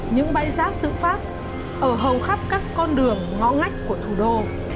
những bãi rác tự phát ở hầu khắp các con đường ngõ ngách của thủ đô